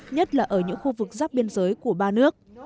nhất là ở những khu vực giáp biên giới của ba nước